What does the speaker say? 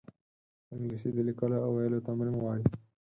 انګلیسي د لیکلو او ویلو تمرین غواړي